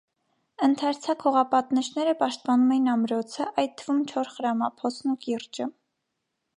Ընդարձակ հողապատնեշները պաշտպանում էին ամրոցը, այդ թվում չոր խրամափոսն ու կիրճը։